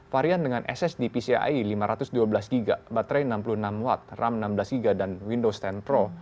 varian dengan ssd pcie lima ratus dua belas gb baterai enam puluh enam w ram enam belas gb dan windows sepuluh pro